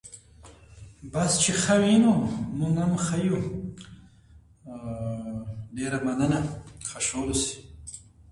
The park is also used as the Minnesota Twins' Spring training facility.